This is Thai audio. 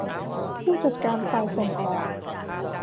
ผู้จัดการฝ่ายส่งออก